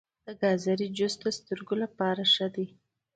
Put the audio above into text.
د ګازرې جوس د سترګو لپاره ښه دی.